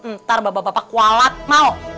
ntar bapak bapak kualat mau